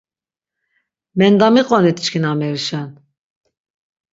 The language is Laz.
Mendamiqonit çkin amerişen.